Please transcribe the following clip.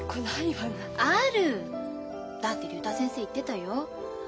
だって竜太先生言ってたよ。